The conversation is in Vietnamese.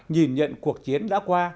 nhìn nhận cuộc chiến đã qua